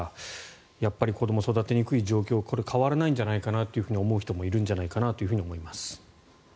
やっぱり子どもを育てにくい状況変わりにくい状況なんじゃないかと思う人もいるんじゃないかなと思います。